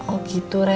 oh gitu ren